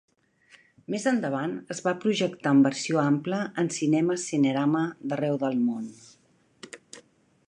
Més endavant es va projectar en versió ampla en cinemes Cinerama d'arreu del món.